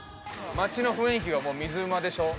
街の雰囲気がもう水うまでしょ？